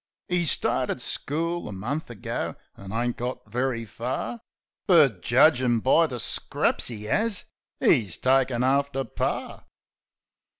'E started school a month ago, an' ain't got very far; But, judgin' be the scraps 'e 'as, 'e's takin' after Par.